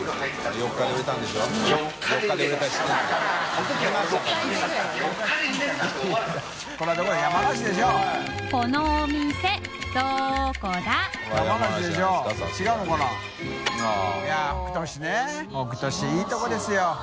姪了いいとこですよ。